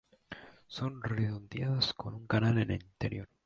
Son redondeadas con una canal en el interior.